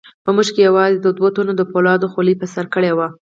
په موږ کې یوازې دوو تنو د فولادو خولۍ په سر کړې وې.